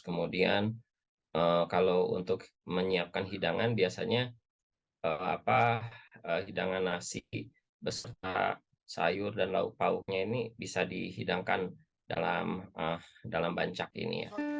kemudian kalau untuk menyiapkan hidangan biasanya hidangan nasi besar sayur dan lauk pauknya ini bisa dihidangkan dalam bancak ini